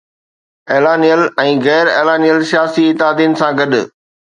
اعلانيل ۽ غير اعلانيل سياسي اتحادين سان گڏ